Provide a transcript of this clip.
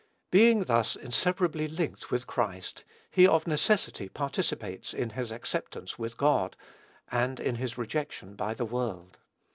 Being thus inseparably linked with Christ, he of necessity participates in his acceptance with God, and in his rejection by the world.